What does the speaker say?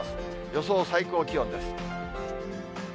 予想最高気温です。